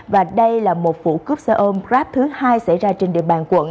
và đây là một vụ cướp xe ôm grab thứ hai xảy ra trên địa bàn quận